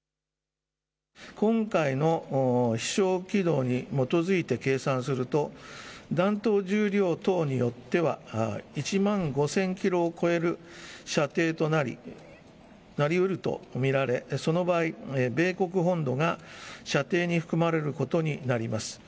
今回の飛しょう軌道に基づいて計算すると弾頭重量等によっては１万５０００キロを超える射程となり、なりうると見られその場合米国本土が射程に含まれることになります。